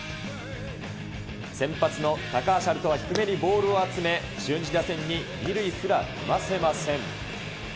先発の高橋遥人は低めにボールを集め、中日打線に２塁すら踏ませません。